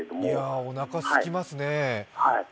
おなかすきますね。